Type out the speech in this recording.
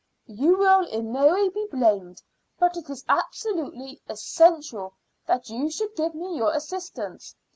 "You will in no way be blamed, but it is absolutely essential that you should give me your assistance.